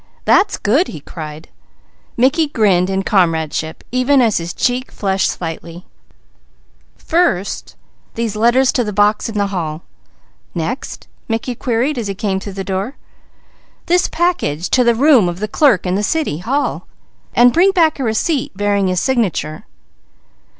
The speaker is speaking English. "That's good!" he cried. Mickey grinned in comradeship. "First, these letters to the box in the hall." "Next?" Mickey queried as he came through the door. "This package to the room of the Clerk in the City Hall, and bring back a receipt bearing his signature."